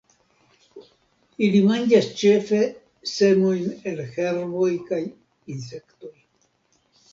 Ili manĝas ĉefe semojn el herboj kaj insektoj.